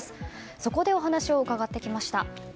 そこでお話を伺ってきました。